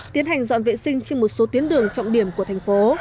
tiến hành dọn vệ sinh trên một số tuyến đường trọng điểm của thành phố